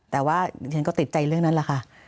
แต่ว่าฉันก็ติดใจเรื่องนั้นแหละค่ะ